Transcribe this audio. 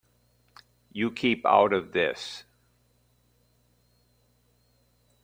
You keep out of this.